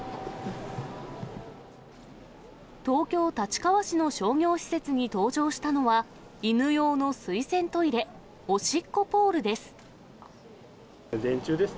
東京・立川市の商業施設に登場したのは、犬用の水洗トイレ、おしっこポールです。